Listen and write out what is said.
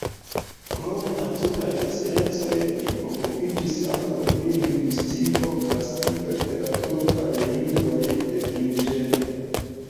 Krom naturaj sciencoj li okupiĝis ankaŭ pri lingvistiko, klasika literaturo, kaj lingvoj de indiĝenoj.